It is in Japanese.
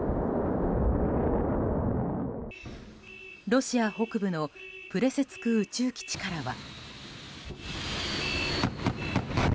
ロシア北部のプレセツク宇宙基地からは。